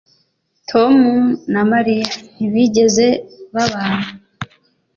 tom na mariya ntibigeze babana